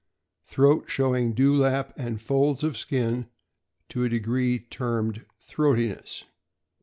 Throat showing dewlap and folds of skin to a degree termed "throatiness."